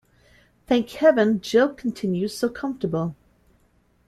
Thank Heaven Jill continues so comfortable.